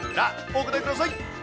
お答えください。